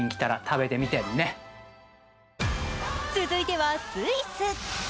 続いてはスイス。